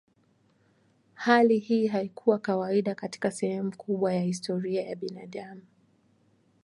Hali hii haikuwa kawaida katika sehemu kubwa ya historia ya binadamu.